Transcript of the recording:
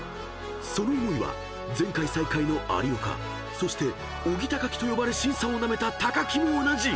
［その思いは前回最下位の有岡そしておぎたかきと呼ばれ辛酸をなめた木も同じ］